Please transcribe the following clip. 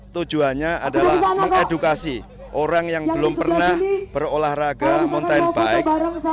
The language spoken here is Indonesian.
tujuannya adalah mengedukasi orang yang belum pernah berolahraga mountain bike